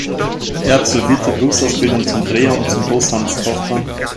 Er absolvierte Berufsausbildungen zum Dreher und zum Großhandelskaufmann.